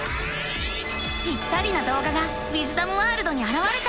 ぴったりなどうががウィズダムワールドにあらわれた。